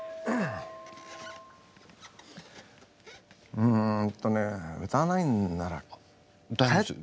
うんとね歌わないんなら帰って。